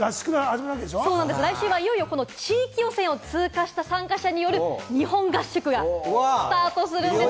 来週はいよいよ地域予選を通過した参加者による日本合宿がスタートするんです。